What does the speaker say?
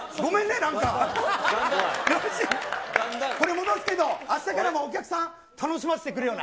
ナンシー、これ戻すけど、あしたからもお客さん、楽しませてくれよな。